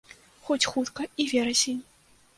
Хоць хутка і верасень.